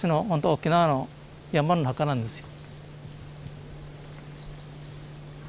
沖縄のやんばるの墓なんですよ。